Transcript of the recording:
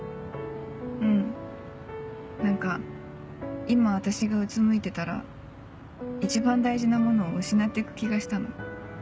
うん何か今私がうつむいてたら一番大事なものを失ってく気がしたの。